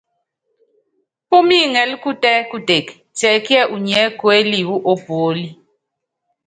Púmíŋɛlɛ kutɛ́ kutek, tiɛkíɛ inyiɛ kuéli wu ópuólí?